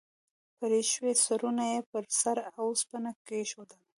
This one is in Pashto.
پرې شوي سرونه یې پر سره اوسپنه کېښودل.